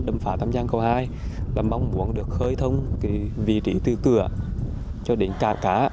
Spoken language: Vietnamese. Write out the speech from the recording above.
đâm phá tâm giang cầu hai là mong muốn được khơi thông vị trí tư cửa cho đến cả cá